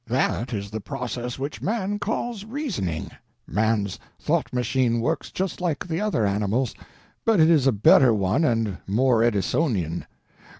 That is the process which man calls reasoning. Man's thought machine works just like the other animals', but it is a better one and more Edisonian.